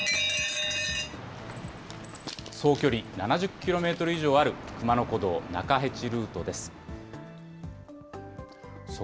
総距離７０キロメートル以上ある熊野古道中辺路ルートです。